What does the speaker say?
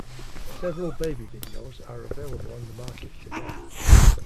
Several baby videos are available on the market today.